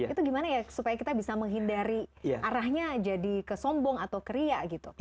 itu bagaimana supaya kita bisa menghindari arahnya jadi kesombong atau keria